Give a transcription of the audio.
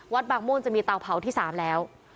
บางม่วงจะมีเตาเผาที่๓แล้ว